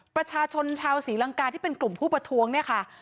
ประชาชนชาวศรีลังกาที่เป็นกลุ่มผู้ประท้วงเนี่ยค่ะ